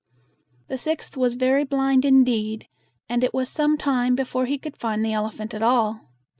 The sixth was very blind indeed, and it was some time before he could find the elephant at all.